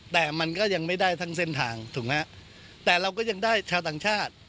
แต่มันก็ยังไม่ได้ทั้งเส้นทางถูกไหมฮะแต่เราก็ยังได้ชาวต่างชาติ